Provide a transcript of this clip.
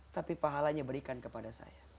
tapi pahalanya berikan kepada saya